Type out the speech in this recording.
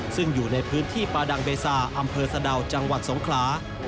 ซึ่งอยู่ในพื้นที่ปาดังเบซาอำเภอสะดาวจังหวัดสงขลา